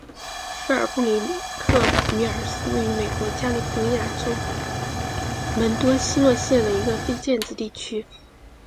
菲尔布里克米尔是位于美国加利福尼亚州门多西诺县的一个非建制地区。